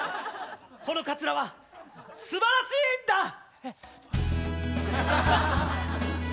このカツラはすばらしいんだ！